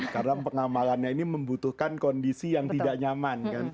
karena pengamalannya ini membutuhkan kondisi yang tidak nyaman